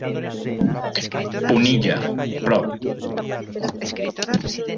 Punilla, Prov.